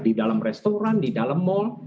di dalam restoran di dalam mal